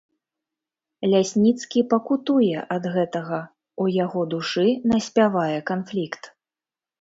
Лясніцкі пакутуе ад гэтага, у яго душы наспявае канфлікт.